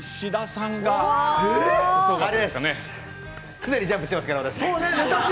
常にジャンプしてますから、私。